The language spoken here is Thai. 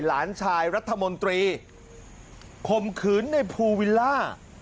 หลานชายรัฐมนตรีข่มขืนในภูวิลล่า